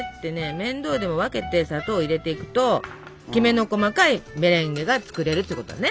面倒でも分けて砂糖を入れていくときめの細かいメレンゲが作れるってことね。